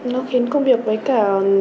nó khiến công việc với cả